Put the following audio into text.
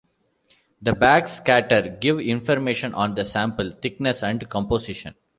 The backscatter give information on the sample thickness and composition.